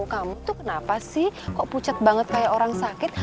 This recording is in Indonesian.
kamu tuh kenapa sih kok pucat banget kayak orang sakit